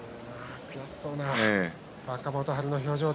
悔しそうな若元春の表情。